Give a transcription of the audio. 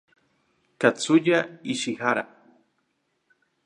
Katsuya Ishihara